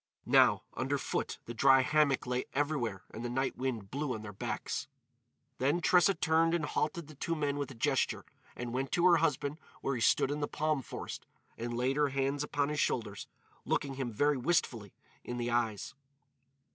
Now, under foot, the dry hammock lay everywhere and the night wind blew on their backs. Then Tressa turned and halted the two men with a gesture. And went to her husband where he stood in the palm forest, and laid her hands on his shoulders, looking him very wistfully in the eyes.